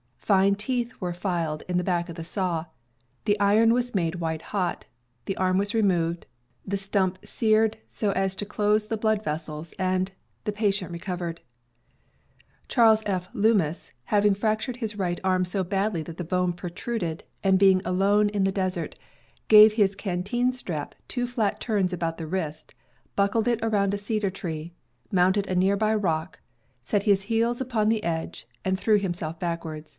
Fine teeth were filed in the back of the saw, the iron was made white hot, the arm was removed, the stump seared so as to close the blood vessels, and — the patient re covered. Charles F. Lummis, having fractured his right arm so badly that the bone protruded, and being alone in 300 ACCIDENTS 301 the desert, gave his canteen strap two flat turns about the wrist, buckled it around a cedar tree, mounted a nearby rock, set his heels upon the edge, and threw himself backward.